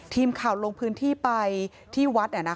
ทีมข่าวลงพื้นที่ไปที่วัด